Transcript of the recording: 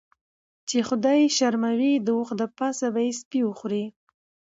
چی خدای یی شرموي داوښ دپاسه به یی سپی وخوري .